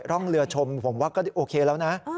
ร่องเรือชมผมว่าก็โอเคแล้วนะ